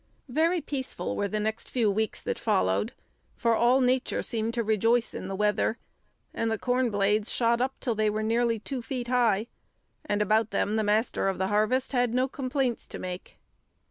Very peaceful were the next few weeks that followed, for all nature seemed to rejoice in the weather, and the corn blades shot up till they were nearly two feet high, and about them the Master of the Harvest had no complaints to make.